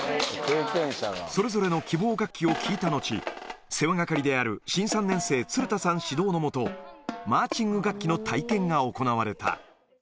それぞれの希望楽器を聞いたのち、世話係である新３年生、鶴田さん指導のもと、マーチング楽器の体験が行われた。